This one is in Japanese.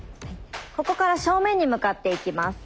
ここから正面に向かっていきます。